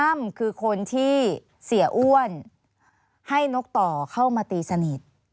อ้ำคือคนที่เสียอ้วนให้นกต่อเข้ามาตีสนิท